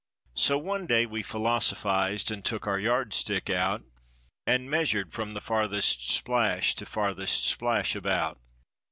So one day we philosophised and took our yard stick out And measured from the farthest splash to farthest splash about.